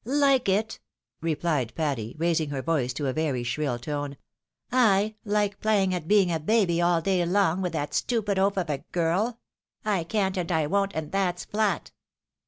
" Like it !" replied Patty, raising her voice to a very shrill tone, " I hke playing at being a baby all day long, vfith that stupid oaf of a girl ! I can't and I won't, and that's flat."